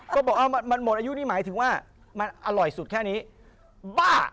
ก็บอกมันหมดอายุนี่หมายถึงว่ามันอร่อยสุดแค่นี้บ้า